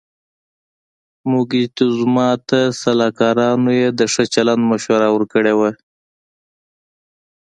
موکتیزوما ته سلاکارانو یې د ښه چلند مشوره ورکړې وه.